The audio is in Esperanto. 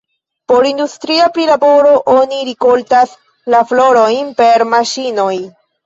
Por industria prilaboro, oni rikoltas la florojn per maŝinoj.